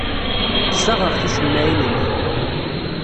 Ssaɣeɣ ticemmaɛin-nni.